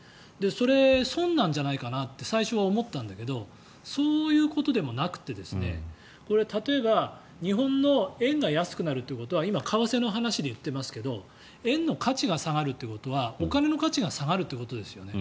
それ、損なんじゃないかなと最初は思ったんだけどそういうことでもなくて例えば、日本の円が安くなるということは今、為替の話で言ってますけど円の価値が下がるということはお金の価値が下がるということですよね。